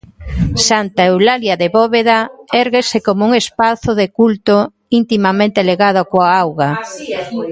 Santa Eulalia de Bóveda érguese como un espazo de culto intimamente ligado coa auga.